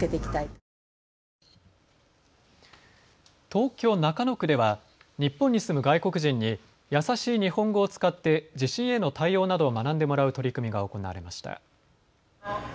東京中野区では日本に住む外国人にやさしい日本語を使って地震への対応などを学んでもらう取り組みが行われました。